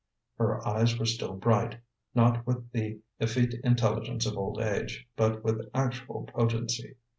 Her eyes were still bright, not with the effete intelligence of old age, but with actual potency.